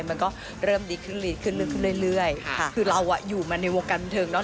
มันก็เริ่มดีขึ้นเรื่อยคือเราอยู่มาในวงการบรรเทิงเนาะ